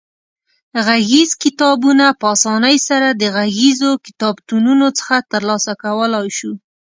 غږیز کتابونه په اسانۍ سره د غږیزو کتابتونونو څخه ترلاسه کولای شو.